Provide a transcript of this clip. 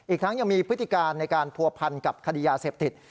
อีกทั้งยังมีพฤติการในการผัวพันกับคดียาเสพติด